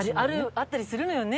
あったりするのよね